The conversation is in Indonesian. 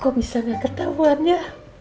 kok bisa gak ketahuan ya